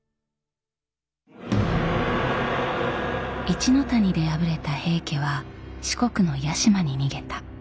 一ノ谷で敗れた平家は四国の屋島に逃げた。